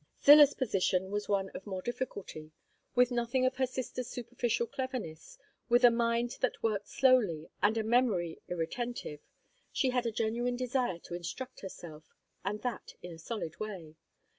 Zillah's position was one of more difficulty. With nothing of her sisters' superficial cleverness, with a mind that worked slowly, and a memory irretentive, she had a genuine desire to instruct herself, and that in a solid way.